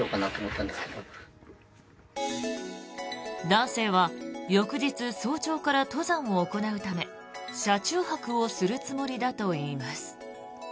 男性は翌日早朝から登山を行うため車中泊をするつもりだといいます。